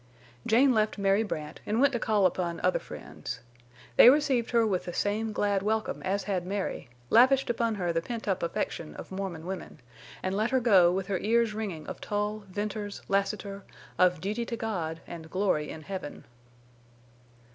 Jane left Mary Brandt and went to call upon other friends. They received her with the same glad welcome as had Mary, lavished upon her the pent up affection of Mormon women, and let her go with her ears ringing of Tull, Venters, Lassiter, of duty to God and glory in Heaven.